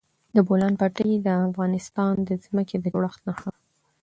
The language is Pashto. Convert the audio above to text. د بولان پټي د افغانستان د ځمکې د جوړښت نښه ده.